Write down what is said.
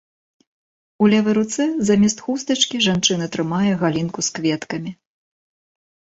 У левай руцэ замест хустачкі жанчына трымае галінку з кветкамі.